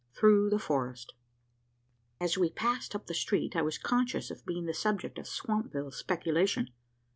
THROUGH THE FOREST. As we passed up the street, I was conscious of being the subject of Swampville speculation.